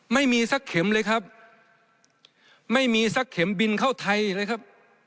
ไม่มีสักเข็มเลยครับไม่มีสักเข็มบินเข้าไทยเลยครับ